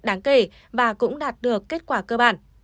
đáng kể và cũng đạt được kết quả cơ bản